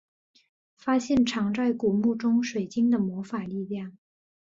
发现藏在古墓中水晶的魔法力量。